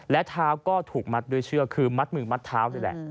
และเท้าก็ถูกมัดด้วยเชือกคือมัดมือมัดเท้านี่แหละ